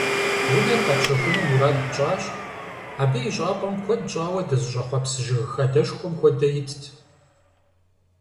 Унэр къэтщэхуну мурад тщӀащ, абы и щӏапӏэм куэд щӏауэ дызыщӀэхъуэпс жыг хадэшхуэм хуэдэ итт.